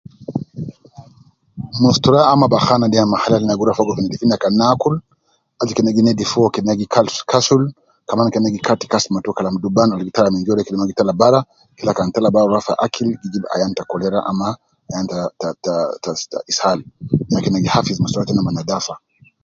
Saadu, through wafaka, anas kulu gi wafiki, anas kulu wayi.